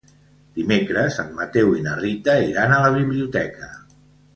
Dimecres en Mateu i na Rita iran a la biblioteca.